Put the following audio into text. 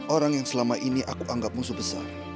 orang yang selama ini aku anggap musuh besar